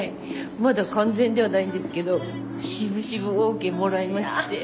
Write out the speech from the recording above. まだ完全ではないんですけどしぶしぶＯＫもらいまして。